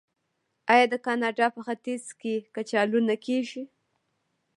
آیا د کاناډا په ختیځ کې کچالو نه کیږي؟